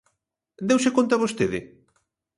¿Deuse conta vostede?